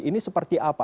ini seperti apa